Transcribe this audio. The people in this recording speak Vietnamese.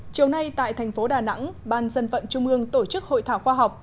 chiều nay tại thành phố đà nẵng ban dân vận trung ương tổ chức hội thảo khoa học